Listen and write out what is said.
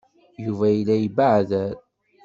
Yuba yella yebbeɛder.